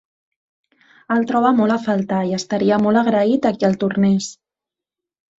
El troba molt a faltar i estaria molt agraït a qui el tornés.